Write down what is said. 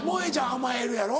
甘えるやろ？